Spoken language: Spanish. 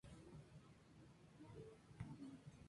Tomó parte en las batallas de Teruel y Sarrión-Albentosa.